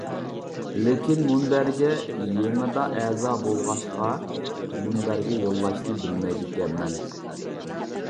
لېكىن مۇنبەرگە يېڭىدا ئەزا بولغاچقا مۇنبەرگە يوللاشنى بىلمەيدىكەنمەن.